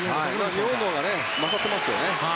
日本のほうが勝ってますよね。